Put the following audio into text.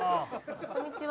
こんにちは。